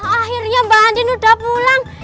akhirnya mbak andien udah pulang